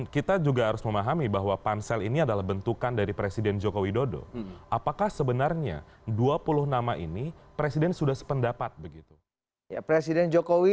karena hari ini pak imret imret